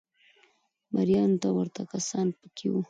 مریانو ته ورته کسان په کې وو